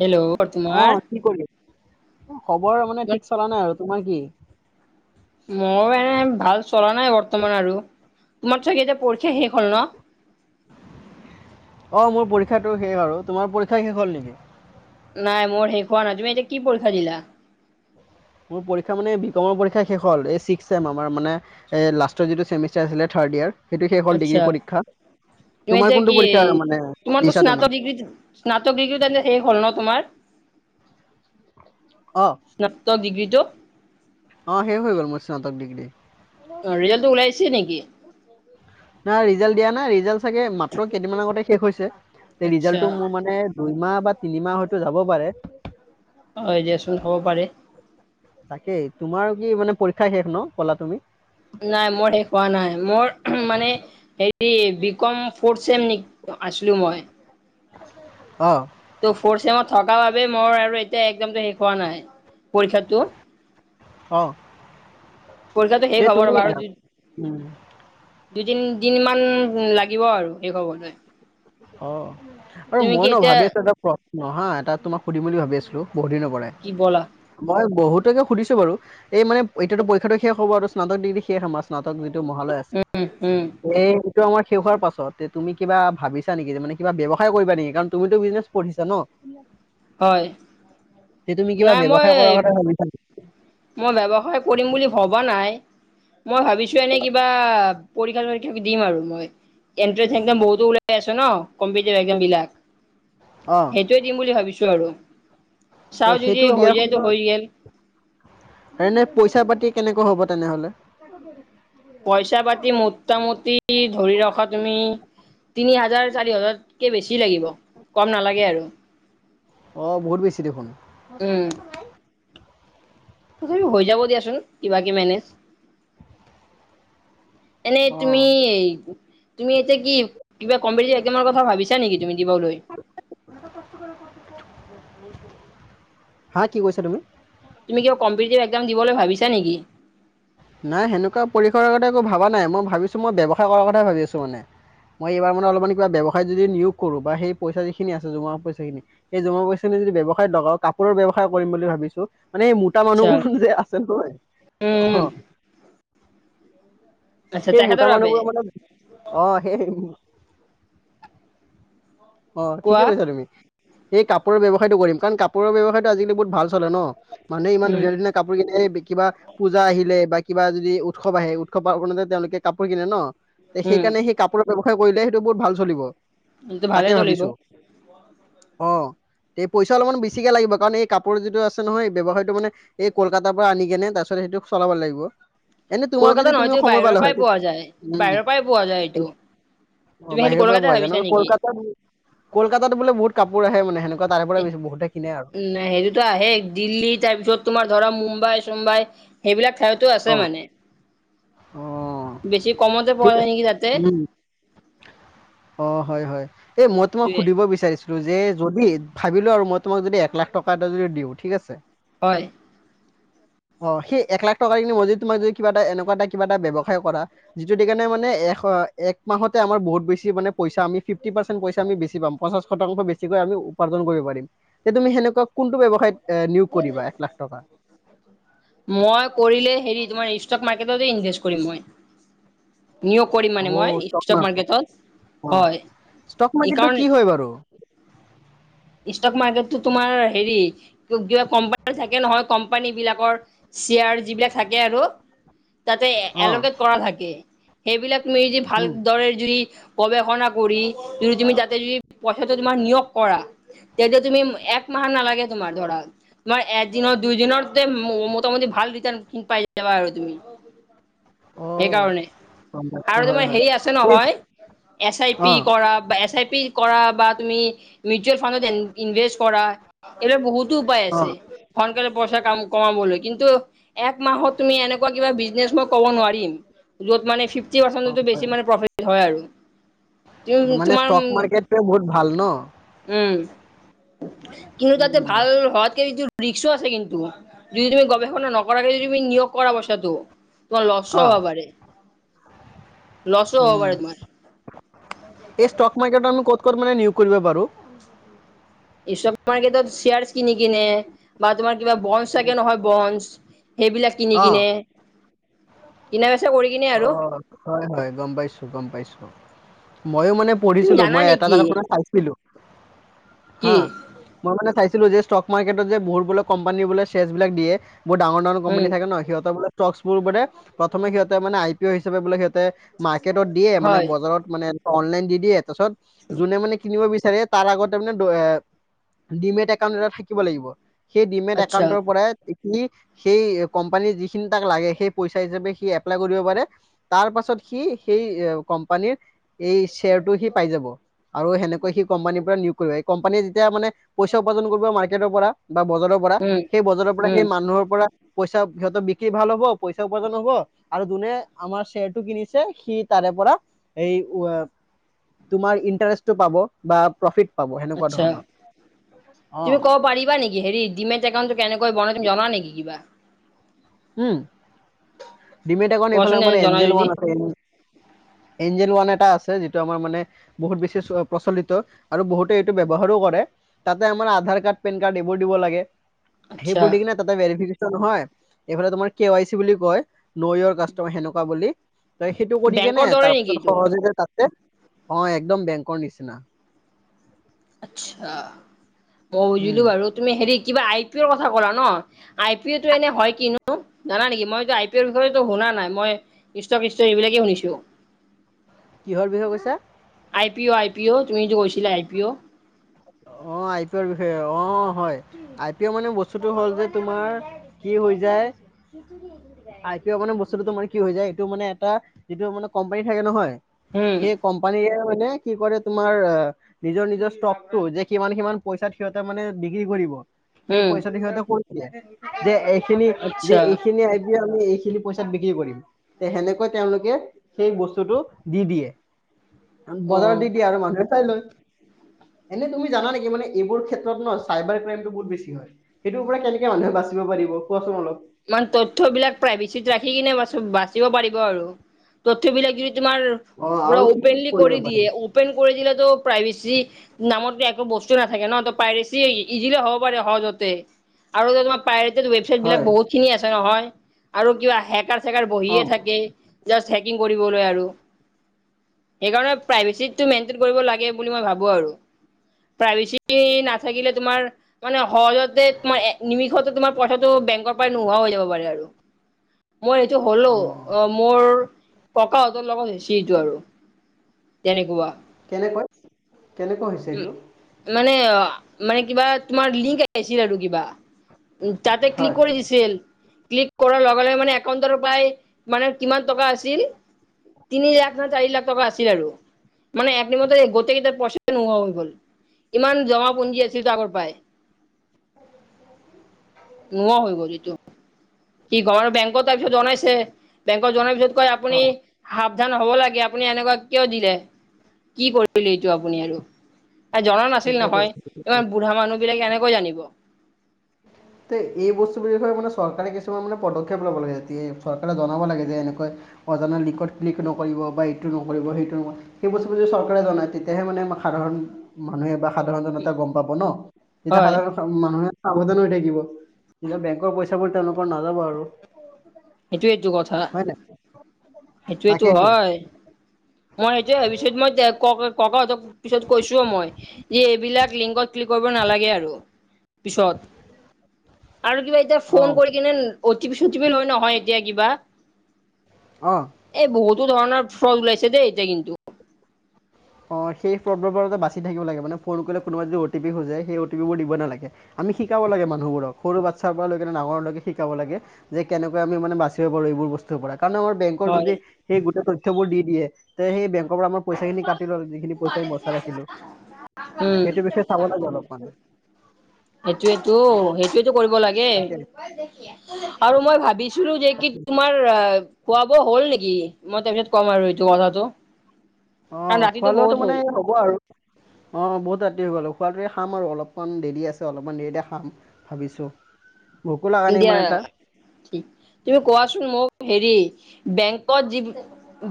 Hello অ তোমাৰ কি কৰি খবৰ মানে ঠিক চলা নাই আৰু, তোমাৰ কি? মই এনে ভাল চলা নাই বৰ্তমান আৰু। তোমাৰ চাগে এতিয়া পৰীক্ষা শেষ হল ন। অ মোৰ পৰীক্ষাটো শেষ আৰু তোমাৰ পৰীক্ষা শেষ হ'ল নেকি? নাই মোৰ শেষ নাই তুমি এতিয়া কি পৰীক্ষা দিলা। মোৰ পৰীক্ষা মানে বিকমৰ পৰীক্ষ শেষ হল এই আমাৰ মানে ছিক্স ছেম আমাৰ মানে লাষ্টৰ যিটো ছেমিষ্টাৰ আছিলে থাৰ্ড ইয়াৰ সেটো শেষ হল ডিগ্ৰী আচ্ছা পৰীক্ষা। তুমি তোমাৰ এতিয়া কোনটো কি পৰীক্ষা মানে তোমাৰতো দিছা তুমি স্নাতক ডিগ্ৰী স্নাতক ডিগ্ৰী শেষ হ'ল ন তোমাৰ। অ স্নাতক ডিগ্ৰীটো অ শেষ হৈ গ'ল মোৰ স্নাতক ডিগ্ৰী। অ ৰিজাল্টটো ওলাইছে নেকি। না ৰিজাল্ট দিয়া নাই ৰিজাল্ট চাগে মাত্ৰ কেইদিন আগতে শেষ হৈছে আচ্ছা ৰিজাল্টটো মোৰ মানে দুইমাহ বা তিনিমাহ হয়তো যাব পাৰে। হয় দিয়াচোন হ'ব পাৰে তাকেই তোমাৰ কি মানে পৰীক্ষা শেষ ন কলা তুমি। নাই মোৰ শেষ হোৱা নাই মোৰ মানে হেৰি বিকম ফৰ্থ ছেম আছিলোঁ মই। অ। ত ফত থকা বাবে মই আৰু এতিয়া একামটো শেষ হোৱা নাই পৰীক্ষাতটো। অ পইচাটো শেষ তে তুমি ৰবা আৰু য উম দুই তিনদিন মান লাগিব আৰু এই শেষ হবলে অ আৰু মই ন ভাবি আছো এটা প্ৰশ্ন হা এটা তোমাক সুধিম বুলি ভাবি আছিলো। বহুদ নপৰে কি ব'লা মই বহুত ত সুধিছো বাৰু মানে এতিয়াত পৰীক্ষাটো শেষ হ'ব আৰু স্নাতক ডিগ্ৰী শেষ আমাৰ স্নাতক মহালয় আছে উম উম এইটো আমাৰ শেষ হোৱাৰ পাছত তুমি কিবা ভাবিছা? চা নেকি মানে কিবা ব্যৱসায় কৰিবা নেকি কাৰণ তুমিতো বিজনেছ পঢ়িছা ন। হয়। তে তুমি কিবা নাই মই ব্যৱসায় কৰাৰ কথা ভাবিছা নেকি মই ব্যৱসায় কৰিম বুলি ভব বা নাই মই ভাবিছো এনে কিবা পৰীক্ষা চৰীক্ষা দিম আৰু মই। এণ্ট্ৰে এক বহুতো ওলাই আছো ন কম্পিভ এক বিলাক অ সেইটোৱে দিম বুলি ভাবিছো আৰু। ত চাও যদি সেইটো হৈ দিয়াৰ যায়তো হৈ গ'ল সময়ত এনে পইচা পাতি কেনেকা? হ'ব তেনেহ'লে। পইচা পাতি মোটামুটি ধৰি ৰখা তুমি তিনি হাজাৰ চাৰি হাজাৰতকৈ বেছি লাগিব কম নালাগে আৰু। আহ বহুত বেছি দেখোন। উম তথাপি হৈ যাব দিয়াচোন কিবা কি মেনেজ এনেই অ তুমি তুমি এতিয়া কি কিবা কম কথা ভাবিছা নেকি তুমি দিবলৈ। [unintelligible] হা কি কৈছা তুমি? তুমি কিব কম্পিটিভ এক্সাম দিবলৈ ভাবিছা নেকি? নাই সেনেকুৱা পৰিসাৰ কথা একো ভবা নাই মই ভাবিছো মই ব্যৱসায় কৰাৰ কথ ভাবি আছো মানে। মই এইবাৰ মানে অলপমান কিবা ব্যৱসায় যদি নিয়োগ কৰো বা সেই পইচা যিখিনিছে জমা পইচািন সেই জমা পইাখিনি যদি ব্যৱসায় লগাও কাপোৰ ব্যৱসায় কৰিম বুলি ভাবিছোঁ। মানে মোটা আচ্ছা মানুহবোৰ যে আছে উম নহয় অ। আচ্ছা সেই মোতা তেখেতৰ বাবে মানুহবোৰৰ মানে অ সেই অ ঠিকে কোৱা কৈছা তুমি, এই কাপোৰৰ্য়ৱসায়টো কৰিম কাৰণ কাপোৰৰ্য়ৱসায়টো আজিকি বহুত ভাল চ চ ন মানুহে ইমান উম ধুনীয়া ধুনীয়া কাপোৰ কনে কিবা পূজা আহিলে বা কিবা যদি উৎসৱ আহে। তেওঁলোকে কাপোৰ কিনে ন তে উম সেইকাৰণে সেই কাপোৰৰ ব্যয়ৱসায় কৰিলে সেইটো বহুত ভাল চলিব। এইটো ভালে তাকে চলিব ভাবিছো অ এই পইচা অলপমান বেছিকে লাগিব কাৰণ এই কাপোৰ যিটো আছে নহয় এই ব্যয়ৱসায়টো মে এই কলকাতাৰ পৰা আনি কেনে আচতে সেইটো চলাব লাগিব। এনে তোমাৰ কলকাতা যদি তুমি নহয়তো সময় বাহিৰৰ পালা পৰাই হয় পোৱা যায় উম। বাহিৰৰ পৰাই পোৱা যায় এইটো অ তুমি খালি বাহিৰৰ পৰা কলকাতা পোৱা যায় ন ভাবিছা কলকাত নেকি কলকাতাত বোলে বহুত কাপোৰ আহে মানে সেনে ন সেইটোতো আহে দিল্লী তাৰপিছত তোমাৰ ধৰা মুম্বাই চুম্বাই সেইবিলাক ঠাইতো অ আছে মানে। অ। বেছি কমতে পোৱা ঠিক যায় আছে নেকি তাতে উ অ হয় হয়। এই মই তোমাক সেইটোৱে। সুধিব বিচাৰছোঁ যে যদি ভাবিলো আৰু মই তোমাক যদি এক লাখ টকা এটা যদি দিওঁ ঠিক আছে। হয় অ সেই এক লাখ টকাৰ কি মজদি তোমাক যদি কিবা এটা এনেকুৱা এটা কিবা এটা ব্যৱসায় কৰা যিটোই কাৰণে মানে এক মাহতে আম বহুত বেছি মান পইচা আমি ফিফটি পাৰ্চেণ্ পইা আমি বেছি পচা শতাংশ বেছিকৈ আমি উপাৰ্জন কৰিব পাৰিম যে তুমি সেনেকুৱা কোনটো ব্যৱসায়ত এ নিয়োগ কৰিবা এক লাখ টকা। মই কৰিলে হেৰি তোমাৰ ষ্টক মাৰ্কেটতে ইনভেষ্ট কৰিম মই। নিয়োগ কৰিম অ মানে মই ষ্টক মাৰ্কেট মাৰ্কেটত অ হয়। ষ্টক এই মাৰ্কেটটো কাৰণ কি হয় বাৰু ষ্টক মাৰ্কেটতো তোমাৰ হেৰি কিবা কোম্পানি থাকে নহয় কোম্পানী বিলাকৰ চেয়াৰ যিবিলাক থাকে আৰু [unintelligible] তাতে অ এলকেট কৰা থাকে সেইবিলাক মি যদি ভাল উম, দৰে যদি। গৱেষণা কৰি যদি তুমি যাতে যদি পইচাটো তোমাৰ নিয়োগ কৰা তেতিয়া তুমি এক মাহ নালাগে তোমাৰ ধৰা তোমাৰ এদিনৰ দুইদিনৰ মোটামুটি। ভাল ৰিটাৰ্ কিন পাই যাবা আৰু তুমি [unintelligible] অ সেই কাৰণে গম পাইছোঁ, আৰু হয় তোমাৰ হয় হেৰি আছে এই নহয় এছ আই অ পি কৰা বা এছ আই পি বা তুমি ম ফতভে কৰা। এইবাৰ বহুতো উপায় অ আছে সোনকালে পইচা কাম কমাবলৈ কিন্তু এক মাহত তুমি এনেকুৱা। কিব বিজনে মই ক'ব নোৱাৰিম যত মানে ফিফটি পাৰ্চট বেছি মানে প্ৰফিট হয় আৰু মানে তোমাৰ ষ্টক মাৰ্কেটটো বহুত ভাল ন উম কিন্তু তাতে উম, ভাল হোৱাতকে এইটো ৰিক্স আছে কিন্তু যদি তুমি গৱেষণা নকৰাকে যদি তুমি নিয়োগ কৰা পইছাটো। তোমাৰ অ লচও হব পাৰে লছো হ'ব পাৰে তোমাৰ এই ষ্টক মাৰ্কেটন ক। মানে নিয়োগ কৰিব পাৰোঁ। এই চব মাৰ্কেটত শ্বেয়াৰছ কিনি কিনে বা তোমাৰ কিবা বন চাগে নহয় বনছ। সেইবিলাক কিনি অ কিনে কিনা। কৰি কিনে অ আৰু হয় হয় গম পাইছো গম পাইছো ময়ো মানে তুমি পঢ়িছিলো জানা মই এটা নেকি জাগাত মানে চাইছিলো কি হা মই মানে চাইছিলো যে ষ্টক মাৰ্কেটত যে বহুত বোলে কোম্পানী বোলে শেয়ছ বিলাক দিয়ে বহু ডাঙৰ ডাঙৰ কোম্পানী উম সিহঁতৰ ষ্টকবোৰ [unintelligible] মানে ই পি অ' হিচাপে বোলে সিহঁতে মাৰ্কটত দিয়ে মানে হয় বজাৰত মানে অনলন দি দিয়ে তাৰিছত। যোনে মানে কিনিব বিচ তাৰ আগত তাৰ মমানে এ ডিমেট একাউণ্ট এটা থাকিব লাগিব সেই ডিমেট আচ্ছা একাউণ্টৰ পৰা যিখিনি সেই কোম্পানীৰ যিখিনি তাক লাগে সেই পইচা হিচাপে সি এপ্লাই কৰিব পাৰে তাৰ পাছত কি সেই কোম্পানীত এই ছেয়াৰটো সি পাইজাব। আৰু সেনেকৈ সি কোম্পানীৰ পৰা নিয়োগ কৰিব এই কোম্পানীয়ে যেতিয়া মানে পইচা উপাৰ্জন কৰিব মাৰ্কেটৰ পৰা বা বজাৰৰ পৰা উম সেই বজাৰৰ পৰা উম সেই মানুহৰ পৰা। পইচা সিহঁতৰ বিক্ৰী ভাল হব পইচা উপাৰ্জন হব। আৰু জুনে আমাৰ চেৰটো কিনিছে সি তাৰে পৰা এই উ। তোমাৰ ইণ্টাৰেষ্টও পাব বা প্ৰফিট পাব সেনেকুৱা আতছা ধৰণৰ অ তুমি ক'ব পাৰিবা নেকি হেৰি ডিমেট একাউণ্টটো কেনেকৈ বনাই। জানা নেকি কিবা উম ডিমেত একাওনত এইফালে কোৱাচোন আমাৰ এনে জনা এঞ্জেল যদি ৱান [unintelligible] এঞ্জেল ওৱান এটা আছে যিটো আমাৰ মানে বহুত বেছি প্ৰচলিত আৰু বহুতে এইটো ব্যৱহাৰো কৰে তাতে আমাৰ আধাৰ কাৰ্ড পেন কাৰ্ড এইবোৰ দিব লাগে আচ্ছা সেইবোৰ দি কিনে তাতে ভেৰিফিকেশ্যন নহয় এইফালে তোমাৰ কে ৱাই চি বুলি কয় নৈয়ৰ কাষ্টমাৰ সেনেকুৱা বুলি। ত সেইটো কৰি কেনে বেংকৰ দৰে তাৰ নেকি পাছত এইটো সহজ। [unintelligible] অ', একদম বেংকৰ নিচিনা। আচ্ছা, অ, উম বুজিলোঁ আৰু তুমি হেৰি কিবা আই পি এৰ কথা ক'লা ন' আই পি এটো এনে হয় কিনো, জানা নেকি মইটো আই পি এৰ বিষয়েটো শুনা নাই, মই ইষ্টা ফিষ্টা সেইবিলাকে শুনিছোঁ। কিহৰ বিষয়ে কৈছা I P O I P' তুমি যে গৈছিলা I P O O I P অৰ বিষয়ে অ হয় আই পি অৰ মানে বস্তুটো হ'ল যে তোমাৰ কি হৈ যায় আইটি মানে বস্তুো মানে কি হৈ যায় এইটো মানে এটা যিটো মানে কোম্পানী থাকে নহয় উম সেই কোম্পানীয়েৰে মানে কি কৰে তোমাৰ নিজৰ নিজৰ ষ্টক যে কিমান সিমান পইচাত সিহঁতে মানে বিক্ৰী কৰিব সেই উম পইচাটো সিহঁতে যে এইখিনি যে আচ্ছা এইখিনি এইখিনি পইচাত বিক্ৰী কৰিম তে সেনেকৈ তেওঁলোকে সেই বস্তুটো দি দিয়ে বজাৰত অ দি দিয়া আৰু মানুহে চাই লয় এনে তুমি জানা নেকি এইবোৰ ক্ষেত্ৰত ন চাইাৰ্ৰাইমত বহুত বেছি হয় সেইটোৰ পৰা কেনেকে মানুহে বাচিব পাৰে দিব কোৱাচোন অলপ ইান তথ্যবলাক প্ৰাইভেচিত ৰাখি কিনে বা বাচিব পাৰিব আৰু তথয়বলাক যদি তোমাৰ অ পুৰা আৰু কি কি অপেনলি কৰিব কৰি পাৰি দিয়ে অপেন কৰি দিল তো প্ৰাইভেচি নামত একো বস্তু নাথাকে ন ত প্ৰাইভেচি ইজিলে হ'ব পাৰে সহজতে আৰু তমাৰ পায় ৱেবচাইট বিলাক হয় বহুত খিনি আছে নহয় আৰু কিবা হেকাৰ চেকাৰ বহিয়ে অঁ থাকে জাষ্ট হেকিং কৰিবলৈ আৰু সেইকাৰণে প্ৰাইভেচিটো মেইনটেইন কৰিব লাগে বুলি মই ভাবো আৰু প্ৰাইভেচি নাথাকিলে তোমাৰ মানে সহজতে তোমাৰ নিমিষতে তোমাৰ পইচাটো বেংকৰ পৰা নোহোৱা হৈ যাব পাৰে আৰু মই এইটো হ'লো অঁ অ মোৰ প্ৰক লগত হেচিটো আৰু তেনেকুৱা কেনেকৈ কেনেকা হৈছে এইটো তেৱা মানে কিবা তোমাৰ গাইছিল আৰু কিবা তাতে ক্লিক হয় ্ কৰেে মানে একাউটৰ মানে কিমান টকা আছিল [inaudible] তিনি লাখ ন চাৰি লাখ টকা আছিল আৰু [inaudible] মানে একনিমতে গোতে কিতিাৰ পইচ নোহ [inaudible] ইমান জঙাাপুঞ্জী আছিল ত আগৰ পৰাই। নোহোৱা হৈ গল এইটো, কি ঘৰে বেংক তাৰপিছত জনাইছে বেংকত জনাইছে। কয় আপুনি অঁ সাৱধান হ'ব লাগে আপুনি এনেকুৱা কিয় দিলে কি কৰিলো এইটো আপুনি আৰু। জনা নাছিল ঠিকে নহয় কৈছে ঠিকে এইমান কৈছে বুঢ়া মানুহ বিলাকে এনেকৈ জানিব। উ [inaudible] তে এই বস্তু বি বিষয়ে মানে চৰকাৰে কিছুমান মানে পদক্ষেপ ল'ব লাগে চৰকাৰে জনাব লাগে যে এনেকুৱা অজানা লিংকত ক্লিক নকৰিব বা এইটো নকৰি সেইটো সেইস্তব যদি চৰকাৰে জনাই তেতিয়াহে মানে আ সাধাৰণ মানুহে বা সাধাৰণ জনতা গম পাব ন তেতিয়া হয় সাধাৰণ মানুহে সাৱধান হৈ থাকিব যেতিয়া বেংকৰ পইচাাবোৰ তেওঁলোকৰ নাযাব আৰু। সেইটোৱেইটো কথা, হয় নাই সেইটোেটো তাকেইতো হয়। মই সেইটো পিছত মই ক- ককাহঁতক পিছত কৈছোও মই যে এইবিলাক লিংগত কৰিব নালাগে আৰু। পিছত আৰু কিবা এতিয়া ফোন অঁ কৰি কিনে অিিপিল হয় নহয় [inaudible] এতিয়া কিবা। অঁ। এই বহুতো ধৰণৰ ওলাইছে দেই এতিয়া কিন্তু [inaudible] অ সেই প্ৰব্লেমোৰ বাচি থাকিব লাগে মে ফোনলে কোনোবা যদি অটিিজ সেই অটিোৰ দিব নালাগে। আমি শিকাব লাগে মানুহবোৰক সৰু বাচ্ছাৰ পৰা লৈকেনে ডাঙৰলৈকে শিকাব লাগে যে কেনেকৈ আমি মানে বাচিব পাৰোঁ এইবোৰ বস্তুৰ পৰা কাৰণ আমাৰ বেং হয় যদি সেই গোটেই তথ্যবোৰ দি দিয়ে তে সেই বেংকৰ পৰা আমাৰ পই [unintelligible] যিখিনি পইচা আমি বচাই ৰাখিলোঁ উম সেইটো বিষয়ে চাব লাগে অলপ মানে। সেইটোয়টো সেইটোয়টো কৰিব লাগে তাকে আৰু মই ভাবিছো। [unintelligible] যে কি তোমাৰ অহ খোৱা বোৱা হ'ল নেকি? মই তাৰপিছত কম আৰু এইটো কথাটো। কাৰণ অ', খোৱা ৰাতিটো লোৱাটো বহুত মানে হ'ল হ'ব আৰু। অ', বহুত ৰাতি হৈ গ'লো খোৱটোৱ খাম আৰু অলপমান দেৰি আছে অলপমান দেৰি দে খাম ভাবিছোঁ। [inaudible] নাই ইমান দিয়া এটা তুমি কোৱাচোন মোক হেৰি বেংকত যি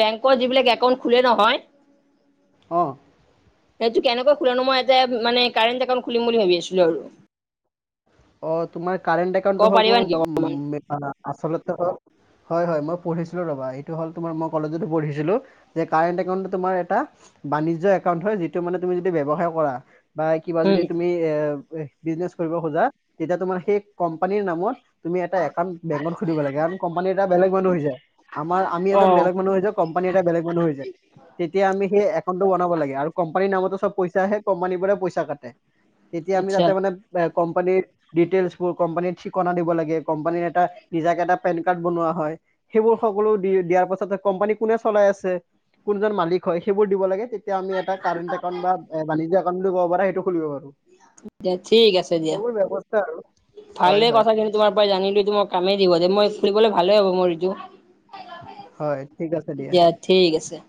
বেংকৰ যিবিলাক একাউন্ট খোলে নহয়। অ'। এইটো কেনেকৈ খোলনো মই এটা মানে কাৰেণ্ট একাউট খুলিম বুলি ভাবি আছিলোঁ আৰু। [unintelligible] টো ক'ব হ'ল পাৰিবা তোমাৰ নেকি অকমান উম, আ-আচলতে হয়, হয়, মই পঢ়িছিলো ৰ'বা এইটো হ'ল তোমাৰ মই কলেজতো পঢ়িছিলো যে কাৰেণ্ট এ তোমাৰ এটা বাণিজ্য একাউণ্ট হয় যিটো মানে তুমি যদি ব্যৱসায় কৰা। বা কিবা যদি তুমি উম এ বিজনেচ কৰিব খোজা তেতিয়া তোমাৰ সেই কোম্পানীৰ নামত তুমি এটা একাউট বেংকত খুলিব লাগে কাৰ কম্পানী এটা বেলেগ মানুহ হৈছে, আমাৰ আমি এজন বেলেগ অ মানুহ হৈছে যাওঁ কম্প [unintelligible] বেলেগ মানুহ হৈ যায়, তেতিয়া আমি সেই একাউন্টটো বনাব লাগে আৰু কোম্পানিৰ নামটো চব পইচা আহে, কোম্পানীবোৰে পইচা কাটে তেতিয়া আমি আচ্ছা যাতে মানে এ কোম্পানীৰ ডিটেইল্চবোৰ কোম্পানিৰ ঠিকনা দিব লাগে কম্পানিৰ এটা নিজাকে টা তাত বনোৱা হয়, সেইবোৰ সকলো দিয়ে, দিয়াৰ পাছতে কম্পানি কোনে চলাই আছে? কোনজন মালিক হয় সেইবোৰ দিব লাগে তেতিয়া আমি এটা কাৰেণ্ট একাউণ্ট বাণিজ্য একাউণ্ট বুলি ক'ব পা সেইটো খুলিব পাৰো। দে ঠিক আছে দিয়া, এইবোৰ ব্যৱস্থা আৰু হয় ভালে হয় কথাখিনি তোমাৰ পৰা জানিল টো মই কামেই দিব যে মই ফুুলিবলে ভালে হ'ব মোৰ এইটো। হয় ঠিক আছে দিয়া ঠিক আছে।